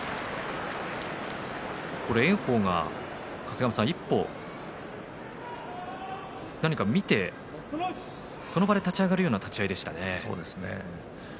炎鵬が、一歩、何か見てその場で立ち上がるような立ち合いでしたね。